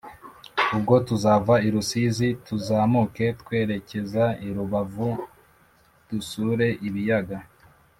Ubwo tuzava i Rusizi, tuzamuke twerekeza i Rubavu, dusure ibiyaga